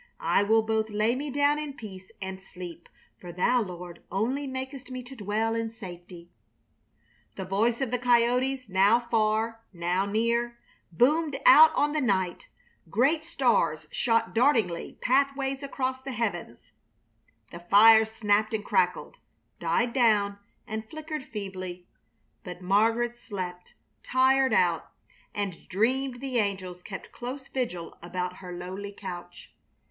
I will both lay me down in peace and sleep, for Thou Lord only makest me to dwell in safety...." The voice of the coyotes, now far, now near, boomed out on the night; great stars shot dartling pathways across the heavens; the fire snapped and crackled, died down and flickered feebly; but Margaret slept, tired out, and dreamed the angels kept close vigil around her lowly couch.